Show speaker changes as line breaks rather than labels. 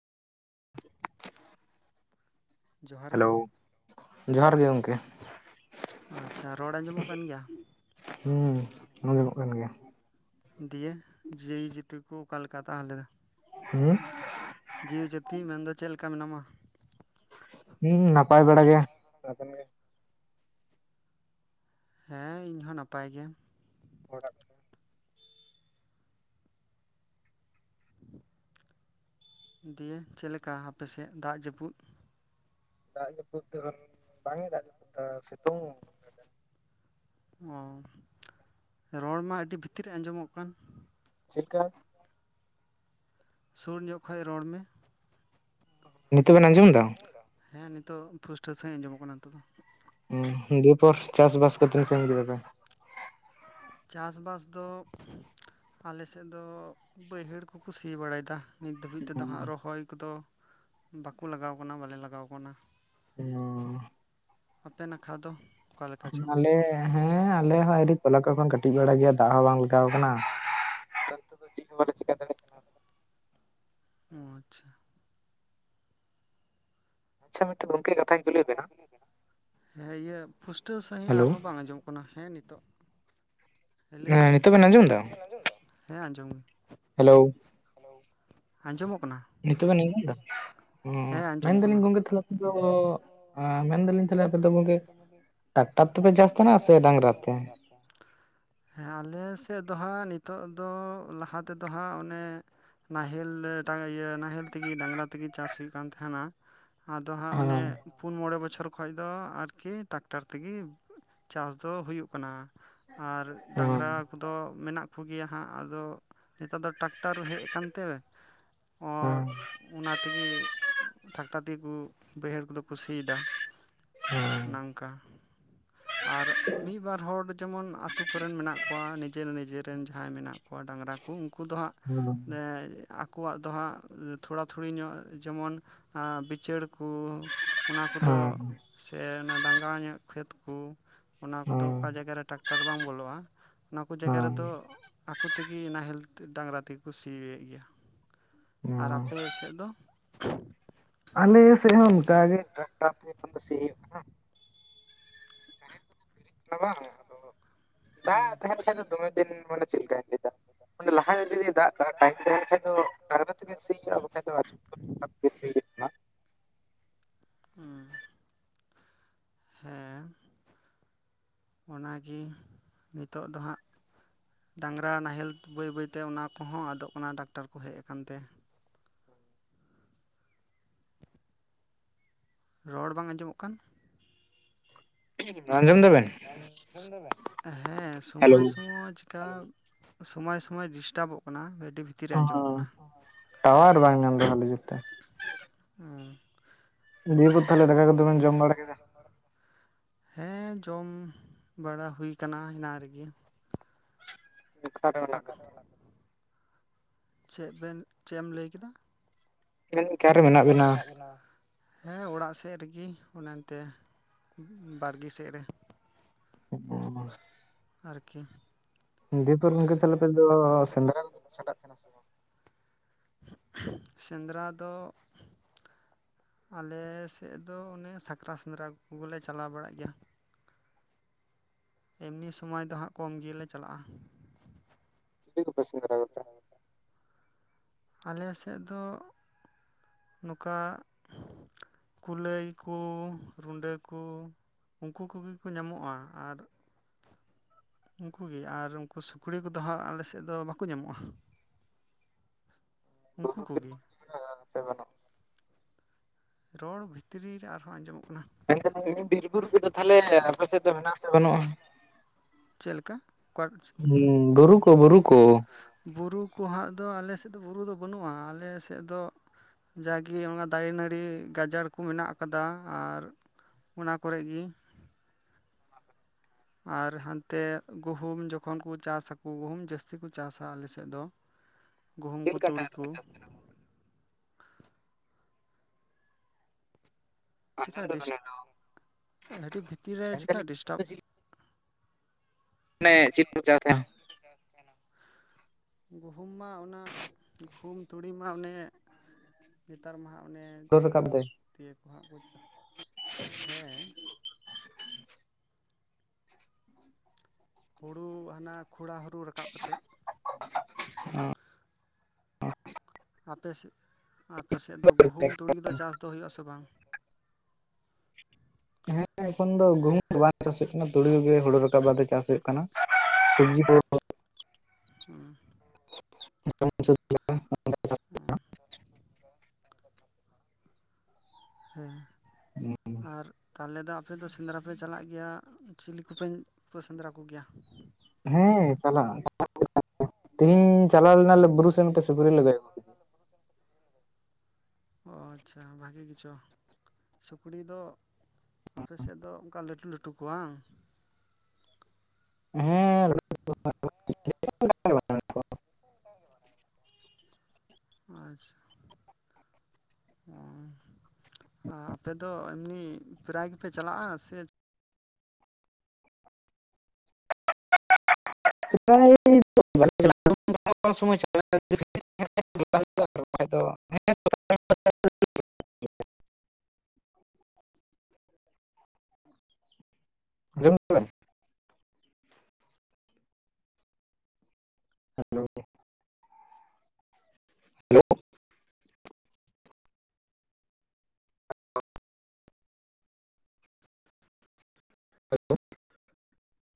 ᱡᱚᱦᱟᱨ
ᱦᱮᱞᱳ
ᱜᱮ
ᱡᱚᱦᱟᱨ ᱜᱮ ᱜᱚᱝ
ᱟᱪᱪᱷᱟ ᱨᱚᱲ ᱟᱸᱡᱚᱢᱚᱜ ᱠᱟᱱ ᱜᱮᱭᱟ?
ᱦᱩᱸ ᱟᱸᱡᱚᱢᱚᱜ ᱠᱟᱱ ᱜᱮᱭᱟ
ᱫᱤᱭᱮ ᱡᱤᱭᱮ. ᱡᱤᱛᱩ ᱠᱚ ᱚᱠᱟ ᱞᱮᱠᱟ ᱛᱟᱦᱞᱮ?
ᱦᱩ [inaudible]
ᱡᱤᱣᱤ ᱡᱟᱹᱛᱤ ᱢᱮᱱᱫᱚ ᱪᱮᱫ ᱞᱮᱠᱟ ᱢᱮᱱᱟᱢᱟ?
ᱦᱩᱸ ᱱᱟᱯᱟᱭ ᱵᱟᱲᱟ ᱜᱮ ᱜᱮ
ᱦᱮᱸ ᱤᱧ ᱦᱚᱸ ᱱᱟᱯᱟᱭ ᱜᱮ
ᱚᱲᱟᱜ
ᱫᱤᱭᱮ ᱪᱮᱫᱞᱮᱠᱟ ᱦᱟᱯᱮ ᱥᱮᱫ ᱫᱟᱜ ᱡᱟᱹᱯᱩᱫ?
ᱫᱟᱜ ᱡᱟᱹᱯᱩᱫ ᱫᱚ ᱵᱟᱝ ᱮ ᱫᱟᱜ ᱡᱟᱹᱯᱩᱫ ᱫᱟ ᱥᱤᱛᱩᱝ
ᱚ ᱨᱚᱲ ᱢᱟ ᱟᱹᱰᱤ ᱵᱷᱤᱛᱤᱨ ᱨᱮ ᱟᱸᱡᱚᱢᱚᱜ ᱠᱟᱱ
ᱪᱮᱠᱟ
ᱥᱩᱨ ᱧᱚᱜ ᱠᱷᱚᱭ ᱨᱚᱲ ᱢᱮ
ᱱᱤᱛᱚᱜ ᱵᱮᱱ ᱟᱸᱡᱚᱢ ᱫᱟ
ᱦᱮᱸ ᱱᱤᱛᱚᱜ ᱯᱷᱩᱥᱴᱟᱹ ᱥᱟᱺᱦᱤᱡ ᱟᱸᱡᱚᱢᱚᱜ ᱠᱟᱱᱟ ᱱᱤᱛᱚᱜ ᱫᱚ
ᱩᱸ ᱫᱤᱭᱮ ᱯᱚᱨ ᱪᱟᱥ ᱵᱟᱥ ᱠᱚ ᱛᱤᱱ ᱥᱟᱺᱜᱤᱧ ᱠᱮᱫᱟ ᱯᱮ
ᱪᱟᱥ ᱵᱟᱥ ᱫᱚ ᱟᱞᱮᱥᱮᱫ ᱫᱚ ᱵᱟᱹᱭᱦᱟᱹᱲ ᱠᱩᱠᱩ ᱥᱤ ᱵᱟᱲᱟᱭ ᱫᱟ ᱱᱤᱛ ᱫᱷᱟᱹᱵᱤᱡ ᱛᱮᱫᱚ ᱦᱟᱸᱜ ᱨᱚᱦᱚᱭ ᱠᱚᱫᱚ ᱵᱟᱠᱩ ᱞᱟᱜᱟᱣ ᱠᱟᱱᱟ ᱵᱟᱞᱮ ᱞᱟᱜᱟᱣ ᱠᱟᱱᱟ
[inaudible]
ᱟᱯᱮ ᱱᱟᱠᱷᱟ ᱫᱚ ᱚᱠᱟᱞᱮᱠᱟ ᱪᱚ
ᱟᱞᱮ ᱦᱮᱸ ᱟᱞᱮ ᱦᱚᱸ ᱟᱹᱣᱨᱤ ᱛᱚᱞᱟ ᱠᱚ ᱵᱟᱱ ᱠᱟᱹ ᱠᱟᱹᱴᱤᱡ ᱵᱟᱲᱟ ᱜᱮᱭᱟ ᱫᱟᱜ ᱦᱚᱸ ᱵᱟᱝ ᱞᱟᱜᱟᱣ ᱠᱟᱱᱟ [unintelligible] ᱪᱤᱫ ᱦᱚᱸ ᱵᱟᱞᱮ ᱪᱤᱠᱟ ᱫᱟᱲᱮ
ᱚ ᱟᱪᱪᱷᱟ ᱟᱪᱪᱷᱟ ᱜᱚᱝᱠᱮ ᱠᱟᱛᱷᱟᱧ ᱠᱩᱞᱤ ᱵᱮᱱᱟ ᱦᱮᱸ ᱤᱭᱟᱹ ᱯᱩᱥᱴᱟᱹᱣ ᱥᱟᱺᱦᱤᱡ
ᱦᱮᱞᱳ
ᱟᱨᱦᱚᱸ ᱵᱟᱝ ᱟᱸᱡᱚᱢᱚᱜ ᱦᱮᱸ ᱱᱤᱛᱚᱜ ᱦᱮᱸ ᱞᱟᱹᱭᱢᱮ ᱱᱤᱛᱚᱜ
ᱵᱮᱱ ᱟᱸᱡᱚᱢ ᱮᱫᱟ
ᱦᱮᱸ ᱟᱸᱡᱚᱢ
ᱦᱮᱞᱳ
ᱦᱮᱞᱳ ᱟᱸᱡᱚᱢᱚᱜ ᱠᱟᱱᱟ
ᱱᱤᱛᱚᱜ ᱵᱮᱱ ᱟᱸᱡᱚᱢ ᱫᱟ ᱩᱸ
ᱦᱮᱸ ᱟᱸᱡᱚᱢᱚᱜ
ᱢᱮᱱᱫᱟᱞᱤᱧ
ᱠᱟᱱᱟ
ᱜᱚᱝᱠᱮ ᱛᱟᱦᱞᱮ ᱟᱯᱮ ᱫᱚ, ᱟᱸ ᱢᱮᱱᱫᱟᱞᱤᱧ ᱛᱟᱦᱞᱮ ᱟᱯᱮ ᱫᱚ ᱜᱚᱝᱠᱮ ᱴᱮᱨᱟᱠᱴᱟᱨ ᱛᱮᱯᱮ ᱪᱟᱥᱠᱟᱱᱟ ᱥᱮ ᱰᱟᱝᱨᱟ ᱛᱮ?
ᱦᱮᱸ ᱟᱞᱮ ᱥᱮᱫ ᱫᱚ ᱦᱟᱸᱜ ᱱᱤᱛᱚᱜ ᱫᱚ ᱞᱟᱦᱟ ᱛᱮᱫᱚ ᱦᱟᱸᱜ ᱚᱱᱮ ᱱᱟᱦᱮᱞ ᱞᱟᱹ ᱤᱭᱟᱹ ᱱᱟᱦᱮᱞ ᱛᱤᱜᱤ ᱰᱟᱝᱨᱟ ᱛᱤᱜᱤ ᱪᱟᱥ ᱦᱩᱭᱩᱜ ᱠᱟᱱ ᱛᱟᱦᱮᱱᱟ ᱟᱫᱚ ᱦᱟᱸᱜ ᱚᱱᱮ
ᱦᱮᱸ
ᱯᱩᱱ ᱢᱚᱬᱮ ᱵᱚᱪᱷᱚᱨ ᱠᱷᱚᱡ ᱫᱚ ᱟᱨᱠᱤ ᱴᱨᱟᱠᱴᱟᱨ ᱛᱤᱜᱤ ᱪᱟᱥ ᱫᱚ ᱦᱩᱭᱩᱜ ᱠᱟᱱᱟ ᱟᱨ
ᱦᱮᱸ
ᱰᱟᱝᱨᱟ ᱠᱩᱫᱚ ᱢᱮᱱᱟᱜ ᱠᱩ ᱜᱤᱭᱟ ᱦᱟᱸᱜ ᱟᱫᱚ ᱱᱤᱛᱚᱜ ᱫᱚ ᱴᱨᱟᱠ ᱴᱟᱨ ᱦᱮᱡ ᱟᱠᱟᱱ ᱛᱮ
ᱦᱮᱸ
ᱟᱨ ᱚᱱᱟ ᱛᱮᱜᱮ ᱴᱨᱟᱠᱴᱟᱨ ᱛᱮᱜᱮ ᱠᱩ ᱵᱟᱹᱭᱦᱟᱹᱲ ᱠᱩᱫᱚ ᱠᱩ ᱥᱤᱭ ᱫᱟ
ᱦᱮᱸ
ᱱᱟᱝᱠᱟ ᱟᱨ ᱢᱤᱫ ᱵᱟᱨ ᱦᱚᱲ ᱡᱮᱢᱚᱱ ᱟᱛᱩ ᱟᱛᱩ ᱠᱚᱨᱮᱱ ᱢᱮᱱᱟᱜ ᱠᱩᱣᱟ ᱱᱤᱡᱮᱨ ᱱᱤᱡᱮᱨ ᱨᱮᱱ ᱡᱟᱦᱟᱸᱭ ᱢᱮᱱᱟᱜ ᱠᱩᱣᱟ ᱰᱟᱝᱨᱟ ᱠᱩ ᱩᱱᱠᱩ ᱫᱚ ᱦᱟᱸᱜ,
ᱦᱮᱸ
ᱮᱸ ᱟᱠᱚᱣᱟᱜ ᱫᱚ ᱦᱟᱸᱜ ᱛᱷᱚᱲᱟ ᱛᱷᱩᱲᱤ ᱧᱚᱜ ᱡᱮᱢᱚᱱ ᱟ ᱵᱤᱪᱟᱹᱨ ᱠᱩ ᱚᱱᱟ ᱠᱩᱫᱚ ᱥᱮ ᱚᱱᱟ ᱰᱟᱸᱜᱟ ᱧᱚᱜ ᱠᱷᱮᱛ ᱠᱩ ᱚᱱᱟ ᱠᱩᱫᱚ ᱚᱠᱟ ᱡᱟᱭᱜᱟ ᱨᱮ ᱴᱨᱟᱠᱴᱟᱨ ᱵᱟᱝ ᱵᱚᱞᱚᱜ-ᱟ ᱚᱱᱟ ᱠᱩ
ᱦᱮᱸ
ᱡᱟᱭᱜᱟ
ᱦᱮᱸ ᱦᱮᱸ
ᱨᱮᱫᱚ ᱟᱠᱩ ᱛᱤᱜᱤ ᱱᱟᱦᱮᱞ ᱰᱟᱝᱨᱟ ᱛᱤᱜᱤ ᱠᱩ ᱥᱤ ᱭᱮᱫ ᱜᱤᱭᱟ ᱟᱨ
ᱦᱮᱸ
ᱟᱯᱮ ᱥᱮᱫ ᱫᱚ
ᱟᱞᱮ ᱥᱮᱫ ᱦᱚᱸ ᱚᱱᱠᱟ ᱜᱮ ᱴᱟᱠᱴᱟᱨᱤ ᱛᱮ ᱮᱠᱷᱚᱱ ᱥᱤ ᱦᱩᱭᱩᱜ ᱠᱟᱱᱟ ᱱᱟᱦᱮᱞ ᱛᱮᱫᱚ ᱰᱮᱨᱤᱜ ᱠᱟᱱᱟ ᱵᱟᱝ ᱟᱫᱚ ᱫᱟᱜ-ᱮ ᱛᱟᱦᱮᱸ ᱞᱮᱱᱠᱷᱟᱱ ᱫᱚᱢᱮ ᱫᱤᱱ ᱢᱟᱱᱮ ᱪᱮᱫ ᱞᱮᱠᱟᱧ ᱞᱟᱹᱭᱫᱟ ᱚᱱᱮ ᱞᱟᱦᱟ ᱧᱚᱜ ᱨᱮ ᱡᱩᱫᱤ ᱫᱟᱜ ᱠᱟᱜ ᱴᱟᱭᱤᱢ ᱛᱟᱦᱮᱱ ᱠᱷᱟᱱ ᱫᱚ ᱰᱟᱭᱨᱟ ᱛᱮᱜᱮ ᱥᱤ‌ᱦᱩᱭᱩᱜ-ᱟ ᱵᱟᱠᱷᱟᱡ ᱫᱚ ᱟᱯᱮ ᱥᱮᱱᱟᱦᱟᱜ
ᱦᱩᱸ ᱦᱮᱸ ᱚᱱᱟᱜᱮ ᱱᱤᱛᱚᱜ ᱫᱚ ᱦᱟᱸᱜ ᱰᱟᱝᱨᱟ ᱱᱟᱦᱮᱞ ᱵᱟᱹᱭ ᱵᱟᱹᱭᱛᱮ ᱚᱱᱟ ᱠᱚᱦᱚᱸ ᱟᱫᱚᱜ ᱠᱟᱱᱟ ᱰᱟᱠᱴᱟᱨ ᱠᱚ ᱦᱮᱡ ᱟᱠᱟᱱ ᱛᱮ᱾ ᱨᱚᱲ ᱵᱟᱝ ᱟᱸᱡᱚᱢᱚᱜ ᱠᱟᱱ
ᱟᱸᱡᱚᱢ ᱫᱟᱵᱮᱱ?
ᱵᱟᱝ, ᱟᱸᱡᱚᱢ ᱫᱟᱵᱮᱱ, ᱦᱮᱸ
ᱦᱮᱞᱳ
ᱥᱚᱢᱚᱭ ᱥᱚᱢᱚᱭ ᱪᱮᱠᱟ ᱥᱚᱢᱚᱭ ᱥᱚᱢᱚᱭ ᱰᱤᱥᱴᱟᱵᱚᱜ ᱠᱟᱱᱟ ᱜᱟᱹᱰᱤ ᱵᱷᱤᱛ ᱵᱷᱤᱛᱤᱨ ᱨᱮ
ᱚ
ᱟᱸᱡᱚᱢᱚᱜ ᱠᱟᱱᱟ᱾
ᱴᱟᱣᱟᱨ ᱵᱟᱝ ᱧᱟᱢ ᱫᱚ ᱵᱷᱟᱞᱮ ᱡᱩᱛ ᱛᱮ ᱫᱤᱭᱮ ᱠᱚ ᱛᱟᱞᱦᱮ ᱫᱟᱠᱟ ᱠᱚᱫᱚ ᱵᱮᱱ ᱡᱚᱢ ᱵᱟᱲᱟ ᱠᱮᱫᱟ?
ᱦᱮᱸ ᱡᱚᱢ ᱵᱟᱲᱟ ᱦᱩᱭ ᱠᱟᱱᱟ ᱮᱱᱟᱝ ᱨᱮᱜᱮ᱾ [unintelligible] ᱪᱮᱫ ᱵᱮᱱ ᱪᱮᱫ ᱮᱢ ᱞᱟᱹᱭ ᱠᱮᱫᱟ?
ᱢᱮᱱ ᱫᱟᱞᱤᱧ ᱚᱠᱟᱨᱮ ᱢᱮᱱᱟᱜ ᱵᱤᱱᱟ?
ᱦᱮᱸ ᱚᱲᱟᱜ ᱥᱮᱫ ᱨᱮᱜᱮ ᱚᱱᱮ ᱮᱱᱛᱮ ᱵᱟᱲᱜᱮ ᱥᱮᱫ ᱨᱮ᱾
ᱚ, ᱚᱱᱟ
ᱟᱨᱠᱤ
ᱫᱤ ᱯᱚᱨ ᱜᱚᱝᱠᱮ ᱛᱟᱦᱞᱮ ᱫᱚ ᱥᱮᱸᱫᱽᱨᱟ ᱠᱚᱫᱚ ᱪᱷᱟᱞᱟᱜ ᱛᱟᱦᱮᱱᱟ ᱥᱮ ᱵᱟᱝ?
ᱥᱮᱸᱫᱽᱨᱟ ᱫᱚ ᱟᱞᱮ ᱥᱮᱫ ᱫᱚ ᱚᱱᱮ ᱥᱟᱠᱨᱟᱛ ᱥᱮᱸᱫᱽᱨᱟ ᱠᱚᱜᱮᱞᱮ ᱪᱟᱞᱟᱣ ᱵᱟᱲᱟᱜ ᱜᱮᱭᱟ᱾ ᱮᱢᱱᱤ ᱥᱚᱢᱚᱭ ᱫᱚ ᱦᱟᱸᱜ ᱠᱚᱢ ᱜᱮᱞᱮ ᱪᱟᱞᱟᱜᱼᱟ᱾
ᱪᱤᱞᱤ ᱠᱚᱯᱮ ᱥᱮᱸᱫᱽᱨᱟ ᱠᱚᱛᱮ?
ᱟᱞᱮ ᱥᱮᱫ ᱫᱚ ᱱᱚᱠᱟ ᱠᱩᱞᱟᱹᱭ ᱠᱚ ᱨᱩᱸᱰᱟᱹ ᱠᱚ ᱩᱱᱠᱩ ᱠᱚᱜᱮ ᱠᱚ ᱧᱟᱢᱚᱜᱼᱟ ᱟᱨ ᱩᱱᱠᱩ ᱜᱮ ᱟᱨ ᱩᱱᱠᱩ ᱥᱩᱠᱨᱤ ᱠᱚᱫᱚ ᱦᱟᱸᱜ ᱟᱞᱮ ᱥᱮᱫ ᱫᱚ ᱵᱟᱠᱚ ᱧᱟᱢᱚᱜᱼᱟ᱾ ᱩᱝᱠᱩ
ᱵᱩᱨᱩ
ᱠᱚᱜᱮ᱾
[inaudible] ᱥᱮ ᱵᱟᱱᱩᱜ
ᱨᱚᱲ ᱵᱷᱤᱛᱨᱤ ᱨᱮ ᱟᱨᱦᱚᱸ ᱟᱸᱡᱚᱢᱚᱜ ᱠᱟᱱᱟ᱾
[inaudible] ᱵᱤᱨ-ᱵᱩᱨᱩ ᱠᱚᱫᱚ ᱛᱟᱞᱦᱮ ᱟᱯᱮ ᱥᱮᱡ ᱫᱚ ᱢᱮᱱᱟᱜ ᱟᱥᱮ ᱵᱟᱹᱱᱩᱜᱼᱟ?
ᱪᱮᱫ ᱞᱮᱠᱟ ᱚᱠᱟ
ᱦᱩᱸ ᱵᱩᱨᱩ ᱠᱚ ᱵᱩᱨᱩ ᱠᱚ
ᱵᱩᱨᱩ ᱠᱚ ᱦᱟᱸᱜ ᱫᱚ ᱟᱞᱮ ᱥᱮᱫ ᱫᱚ ᱵᱩᱨᱩ ᱫᱚ ᱵᱟᱹᱱᱩᱜᱼᱟ ᱟᱞᱮ ᱥᱮᱫ ᱫᱚ ᱡᱟᱜᱮ ᱚᱱᱟ ᱫᱟᱨᱮ ᱱᱟᱹᱲᱤ ᱜᱟᱡᱟᱲ ᱠᱚ ᱢᱮᱱᱟᱜ ᱟᱠᱟᱫᱟ ᱟᱨ ᱚᱱᱟ ᱠᱚᱨᱮᱜ ᱜᱤ ᱟᱨ ᱦᱟᱱᱛᱮ ᱜᱩᱦᱩᱢ ᱡᱚᱠᱷᱚᱱ ᱠᱚ ᱪᱟᱥᱟᱚ ᱜᱩᱦᱩᱢ ᱡᱟᱹᱥᱛᱤ ᱠᱚ ᱪᱟᱥᱟ ᱟᱞᱮᱥᱮᱫ ᱫᱚ᱾
[inaudible]
ᱜᱩᱦᱩᱢ ᱠᱚ
ᱞᱮᱠᱟᱱ
ᱛᱩᱲᱤ
ᱴᱟᱭᱤᱢ
ᱠᱚ
ᱨᱮᱯᱮ ᱪᱟᱥ ᱛᱟᱦᱮᱱᱟ ᱜᱚᱝᱠᱮ?
ᱪᱮᱠᱟ
ᱟᱸᱡᱚᱢ
ᱰᱤᱥ
ᱫᱟᱵᱮᱱ ᱦᱮᱞᱳ
ᱟᱹᱰᱤ ᱵᱷᱤᱛᱤᱨ ᱨᱮ ᱪᱮᱠᱟ
ᱢᱮᱱᱫᱟᱞᱤᱧ
ᱰᱤᱥᱴᱟᱵᱽ
[unintelligible]
ᱜᱩᱦᱩᱢ ᱢᱟ ᱚᱱᱟ ᱜᱩᱦᱩᱢ ᱛᱩᱲᱤ ᱢᱟ ᱚᱱᱮ ᱱᱮᱛᱟᱨ ᱢᱟ ᱦᱟᱸᱜ ᱚᱱᱮ
ᱦᱩᱲᱩ
ᱪᱮᱫ
ᱨᱟᱠᱟᱵ ᱫᱟᱭ
ᱫᱤᱭ ᱠᱚ ᱦᱟᱸᱜ ᱠᱚ ᱦᱮᱸ ᱦᱩᱲᱩ ᱦᱟᱱᱟ ᱠᱷᱚᱲᱟ ᱦᱩᱲᱩ ᱨᱟᱠᱟᱵ ᱠᱟᱛᱮᱫ
[inaudible]
ᱟᱯᱮ ᱥᱮᱫ ᱟᱯᱮᱥᱮᱫ ᱫᱚ ᱜᱩᱦᱩᱢ ᱛᱩᱲ ᱫᱚ ᱪᱟᱥ ᱫᱚ ᱦᱩᱭᱩᱜ ᱟᱥᱮ ᱵᱟᱝ?
ᱦᱮᱸ ᱮᱠᱷᱚᱱ ᱫᱚ ᱜᱩᱦᱩᱢ ᱫᱚ ᱵᱟᱝ ᱪᱟᱥ ᱦᱩᱭᱩᱜ ᱠᱟᱱᱟ ᱛᱩᱲᱤ ᱠᱚᱜᱮ ᱦᱩᱲᱩ ᱨᱟᱠᱟᱵ ᱵᱟᱫ ᱪᱟᱥ ᱦᱩᱭᱩᱜ ᱠᱟᱱᱟ᱾ ᱥᱚᱵᱡᱤ ᱠᱚ
ᱩᱸ
[unintelligible]
[unintelligible] ᱦᱮᱸ ᱟᱨ ᱛᱟᱦᱚᱞᱮ ᱫᱚ ᱟᱯᱮ ᱫᱚ ᱥᱮᱸᱫᱽᱨᱟᱯᱮ ᱪᱟᱞᱟᱜ ᱜᱤᱭᱟ ᱪᱤᱞᱤ ᱠᱚᱯᱮ ᱥᱮᱸᱫᱽᱨᱟ ᱠᱚᱜᱮᱭᱟ?
ᱦᱮᱸ ᱪᱟᱞᱟᱜ [inaudible] ᱛᱮᱦᱤᱧ ᱪᱟᱞᱟᱣ ᱞᱮᱱᱟᱞᱮ ᱵᱩᱨᱩ ᱥᱮᱱᱛᱮ ᱥᱩᱠᱨᱤ ᱞᱮ ᱜᱚᱡ ᱟᱜᱩ
[unintelligible] ᱚ ᱟᱪᱷᱟ ᱵᱷᱟᱜᱤ ᱜᱮᱤᱪᱚ ᱥᱩᱠᱨᱤ ᱫᱚ ᱟᱯᱮ ᱥᱮᱫ ᱫᱚ ᱚᱱᱠᱟ ᱞᱟᱹᱴᱩ ᱞᱟᱹᱴᱩ ᱠᱚ ᱵᱟᱝ?
ᱚᱸᱦᱚᱸᱜ
ᱟᱪᱪᱷᱟ ᱮᱧᱦ ᱟ ᱟᱯᱮ ᱫᱚ ᱮᱢᱱᱤ ᱯᱨᱟᱭ ᱜᱮᱯᱮ ᱪᱟᱞᱟᱜᱼᱟ ᱥᱮ
[unintelligible] ᱦᱩᱭᱩᱜᱼᱟ [inaudible] [inaudible] [inaudible]